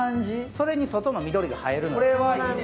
それに外の緑が映える。